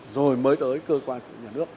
rồi mới tới cơ quan của nhà nước